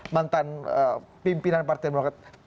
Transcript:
mantan pimpinan partai demokrat